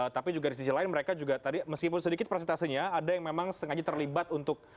tapi juga di sisi lain mereka juga tadi meskipun sedikit presentasinya ada yang memang sengaja terlibat untuk